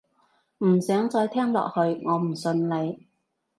唔想再聽落去，我唔信你